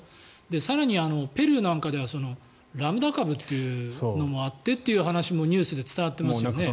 更に、ペルーなんかではラムダ株というのもあってという話もニュースで伝わっていますよね。